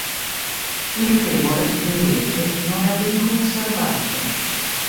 Il femore, invece, non è ben conservato.